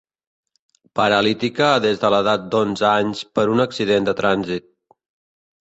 Paralítica des de l'edat d'onze anys per un accident de trànsit.